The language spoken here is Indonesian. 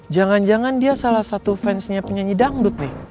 jangan jangan dia salah satu fansnya penyanyi dangdut nih